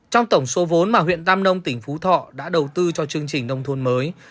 trong tổng số vốn mà huyện tam nông tỉnh phú thọ đã đầu tư cho chương trình nông thôn mới